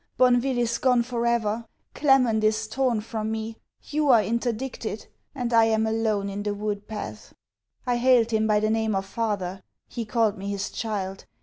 Bonneville is gone for ever! Clement is torn from me! You are interdicted! and I am alone in the wood path! I hailed him by the name of father. He called me his child.